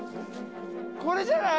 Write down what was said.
これじゃない？